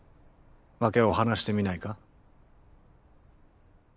訳を話してみないか？